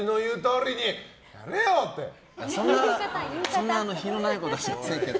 そんな品のないことはしませんけど。